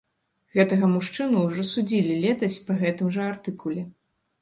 Гэтага мужчыну ўжо судзілі летась па гэтым жа артыкуле.